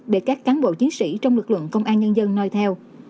để các cán bộ chiến sĩ trong lực lượng công an nhân dân nói theo